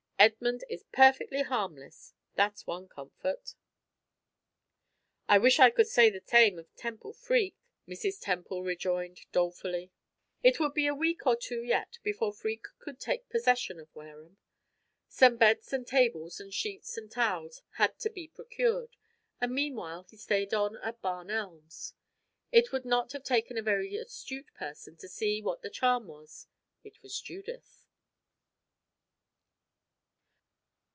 Edmund is perfectly harmless that's one comfort." "I wish I could say the same of Temple Freke," Mrs. Temple rejoined, dolefully. It would be a week or two yet before Freke could take possession of Wareham. Some beds and tables and sheets and towels had to be procured, and meanwhile he stayed on at Barn Elms. It would not have taken a very astute person to see what the charm was. It was Judith.